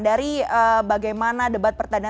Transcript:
dari bagaimana debat perdana